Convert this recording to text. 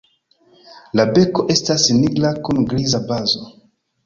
La beko estas nigra kun griza bazo.